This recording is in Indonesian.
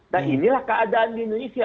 dan inilah keadaan di indonesia